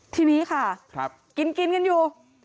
ทีนี้ค่ะกินกันอยู่